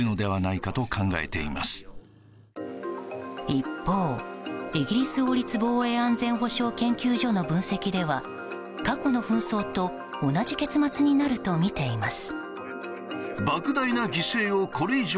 一方、イギリス王立防衛安全保障研究所の分析では過去の紛争と同じ結末になるとみています。